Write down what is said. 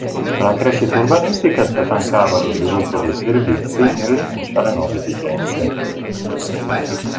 Alla crescita urbanistica si affiancava lo sviluppo dei servizi, in risposta alle nuove esigenze.